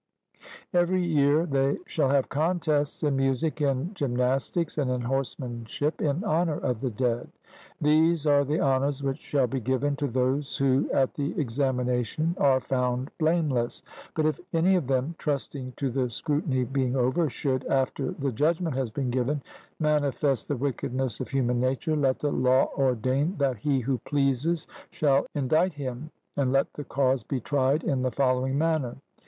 Every year they shall have contests in music and gymnastics, and in horsemanship, in honour of the dead. These are the honours which shall be given to those who at the examination are found blameless; but if any of them, trusting to the scrutiny being over, should, after the judgment has been given, manifest the wickedness of human nature, let the law ordain that he who pleases shall indict him, and let the cause be tried in the following manner.